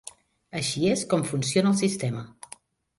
Així és com funciona el sistema.